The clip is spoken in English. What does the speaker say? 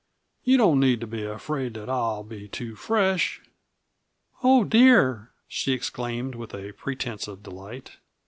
"You don't need to be afraid that I'll be too fresh." "Oh, dear!" she exclaimed, with a pretense of delight.